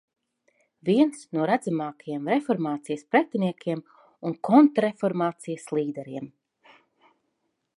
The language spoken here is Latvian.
Viens no redzamākajiem reformācijas pretiniekiem un kontrreformācijas līderiem.